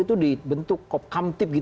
itu dibentuk kop kamtip